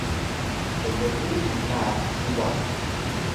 llbu bi ka Ciwang